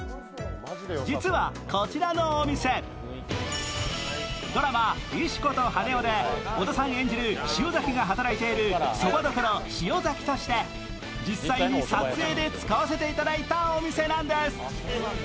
実はこちらのお店、ドラマ「石子と羽男」で小田さん演じる塩崎が働いているそば処塩崎として実際に撮影で使わせていただいたお店なんです。